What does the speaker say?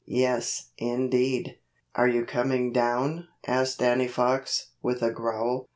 Yes, indeed. "Are you coming down?" asked Danny Fox, with a growl.